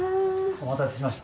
お待たせしました。